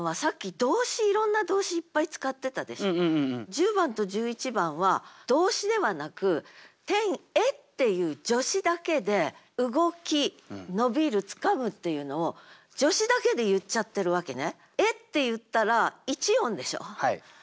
１０番と１１番は動詞ではなく「天へ」っていう助詞だけで動き「伸びる」「掴む」っていうのを助詞だけで言っちゃってるわけね。